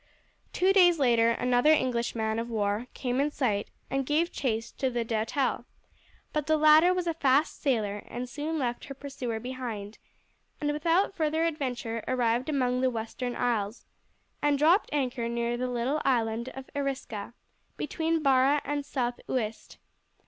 Two days later another English man of war came in sight and gave chase to the Doutelle, but the latter was a fast sailer and soon left her pursuer behind, and without further adventure arrived among the Western Isles, and dropped anchor near the little islet of Erisca, between Barra and South Uist.